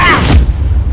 ada apa kesana